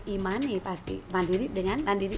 e money pasti mandiri dengan mandiri